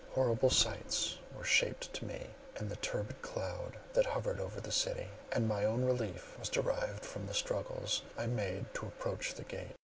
Horrible sights were shaped to me in the turbid cloud that hovered over the city; and my only relief was derived from the struggles I made to approach the gate.